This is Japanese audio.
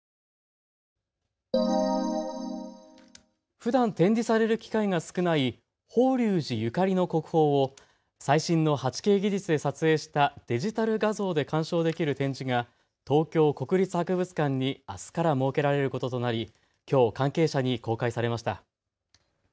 ふだん展示される機会が少ない法隆寺ゆかりの国宝を最新の８Ｋ技術で撮影したデジタル画像で鑑賞できる展示が東京国立博物館にあすから設けられることとなりきょう関係者に公開されました。